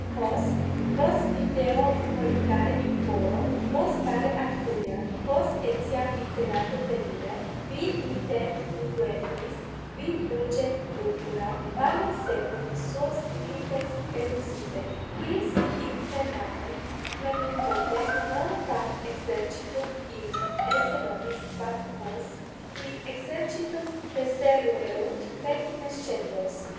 Hos, quos video volitare in foro, quos stare ad curiam, quos etiam in senatum venire, qui nitent unguentis, qui fulgent purpura, mallem secum suos milites eduxisset: qui si hic permanent, mementote non tam exercitum illum esse nobis quam hos, qui exercitum deseruerunt, pertimescendos.